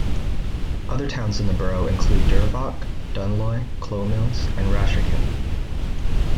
Other towns in the borough include Dervock, Dunloy, Cloughmills and Rasharkin.